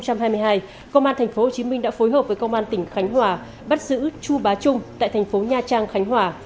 công an tp hcm đã phối hợp với công an tỉnh khánh hòa bắt giữ chu bá trung tại tp nha trang khánh hòa